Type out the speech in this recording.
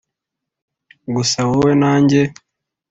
gusa wowe na njye,